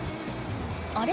あれ？